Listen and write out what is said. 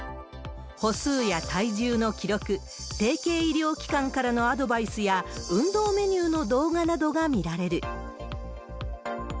歩数や体重の記録、提携医療機関からのアドバイスや、運動メニューの動画などが見られる。